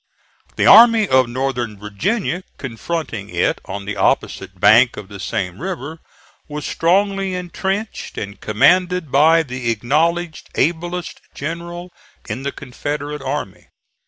The Army of Northern Virginia confronting it on the opposite bank of the same river, was strongly intrenched and commanded by the acknowledged ablest general in the Confederate army.